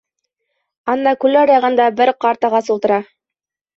— Ана күл аръяғында бер ҡарт ағас ултыра.